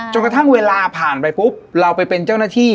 กระทั่งเวลาผ่านไปปุ๊บเราไปเป็นเจ้าหน้าที่